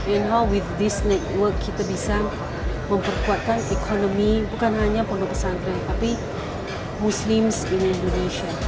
in how with this network kita bisa memperkuatkan ekonomi bukan hanya pondok pesantren tapi muslim indonesia